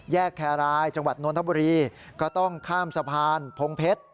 แยะแครรท์จนนทบุรีก็ต้องข้ามสะพานพงเพชร